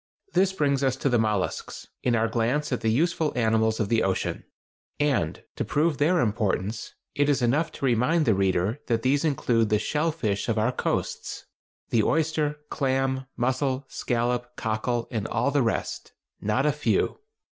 This brings us to the mollusks, in our glance at the useful animals of the ocean; and to prove their importance, it is enough to remind the reader that these include the "shell fish" of our coasts—the oyster, clam, mussel, scallop, cockle, and all the rest—not a few!